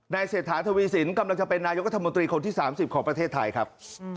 เศรษฐาทวีสินกำลังจะเป็นนายกรัฐมนตรีคนที่๓๐ของประเทศไทยครับ